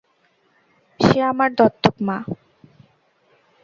সে আমার দত্তক মা।